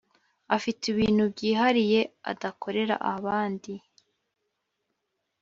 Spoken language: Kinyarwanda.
afite ibintu byihariye adakorera abandi .